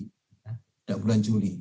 sejak bulan juli